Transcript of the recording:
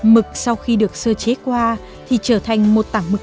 mực sau khi được sơ chế qua thì trở thành một tảng mực